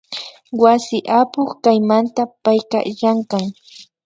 Wasi apuk kaymanta payka llankan